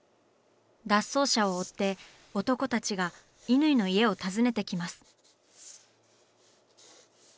脱走者を追って男たちが乾の家を訪ねてきます。